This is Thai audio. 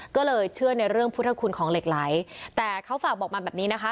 ก็เลยเชื่อในเรื่องพุทธคุณของเหล็กไหลแต่เขาฝากบอกมาแบบนี้นะคะ